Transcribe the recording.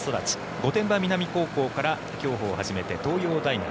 御殿場南高校から競歩を始め東洋大学。